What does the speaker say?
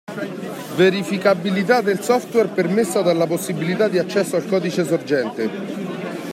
Verificabilità del software permessa dalla possibilità di accesso al codice sorgente.